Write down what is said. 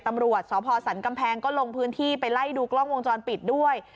ตำรวจสพสันกำแพงก็ลงพื้นที่ไปไล่ดูกล้องวงจรปิดด้วย